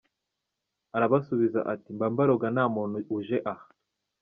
Arabasubiza ati “mba mbaroga nta muntu uje aha .